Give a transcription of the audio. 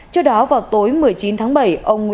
cho đó vào tối một mươi chín tháng bảy